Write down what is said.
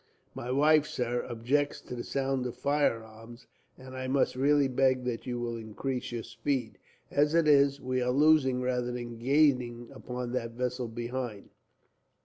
"My wife, sir, objects to the sound of firearms, and I must really beg that you will increase your speed. As it is, we are losing rather than gaining upon that vessel behind.